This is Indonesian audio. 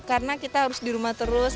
karena kita harus di rumah terus